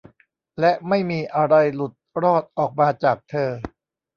และไม่มีอะไรหลุดรอดออกมาจากเธอ